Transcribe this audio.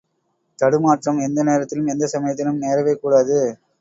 தடுமாற்றம் எந்த நேரத்திலும், எந்த சமயத்திலும் நேரவே கூடாது.